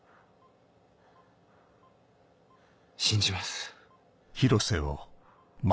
信じます。